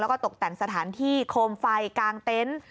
แล้วก็ตกแต่งสถานที่โคมไฟกลางเต็นต์